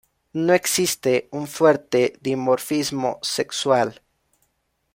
No existe un fuerte dimorfismo sexual.